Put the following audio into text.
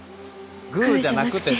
グーじゃなくて。